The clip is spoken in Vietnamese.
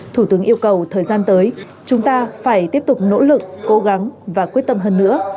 thủ tướng yêu cầu thời gian tới chúng ta phải tiếp tục nỗ lực cố gắng và quyết tâm hơn nữa